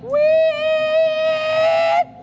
วี๊ด